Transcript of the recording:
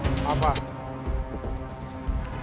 ada tempat buat ngobrol enak